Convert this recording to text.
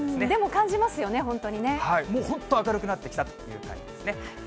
でも、感じますよね、本当にもう本当、明るくなってきたという感じですね。